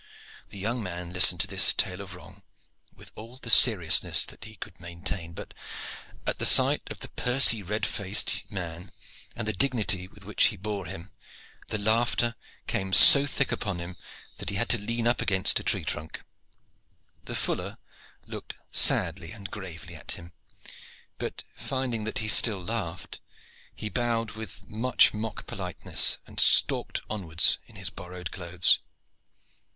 The young man listened to this tale of wrong with all the seriousness that he could maintain; but at the sight of the pursy red faced man and the dignity with which he bore him, the laughter came so thick upon him that he had to lean up against a tree trunk. The fuller looked sadly and gravely at him; but finding that he still laughed, he bowed with much mock politeness and stalked onwards in his borrowed clothes.